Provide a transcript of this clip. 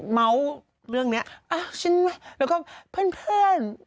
เมาส์เรื่องนี้ชิ้นแล้วก็เพื่อน